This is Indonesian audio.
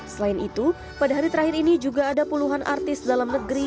selain itu pada hari terakhir ini juga ada puluhan artis dalam negeri